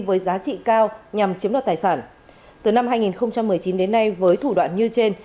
với giá trị cao nhằm chiếm đoạt tài sản từ năm hai nghìn một mươi chín đến nay với thủ đoạn như trên